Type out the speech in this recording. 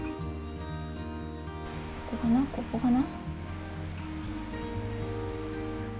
ここかな、ここかな？